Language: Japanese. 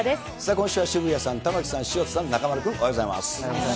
今週は渋谷さん、玉城さん、潮田さん、中丸君、おはようございます。